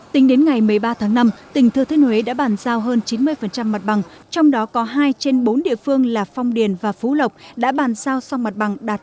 tính đến ngày một mươi ba tháng năm tỉnh thừa thiên huế đã bàn giao hơn chín mươi mặt bằng trong đó có hai trên bốn địa phương là phong điền và phú lộc đã bàn giao xong mặt bằng đạt chín mươi chín một trăm linh